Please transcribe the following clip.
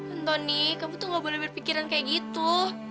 antoni kamu tuh gak boleh berpikiran kayak gitu